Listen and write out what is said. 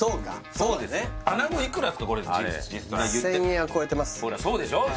１０００円は超えてますそうでしょ